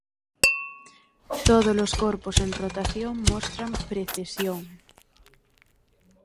Tódolos corpos en rotación mostran precesión.